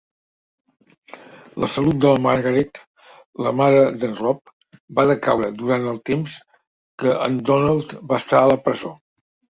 La salut de la Margaret, la mare d'en Rob, va decaure durant el temps que en Donald va estar a la presó.